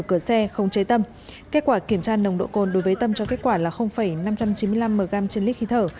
kết quả kiểm tra nồng độ cồn đối với tâm cho kết quả là năm trăm chín mươi năm mg trên lít khi thở